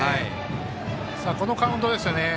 このカウントですよね。